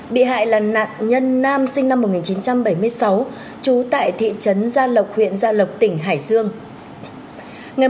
bị hại là nạn nhân nam sinh năm một nghìn chín trăm bảy mươi sáu trú tại thị trấn gia lộc huyện gia lộc tỉnh hải dương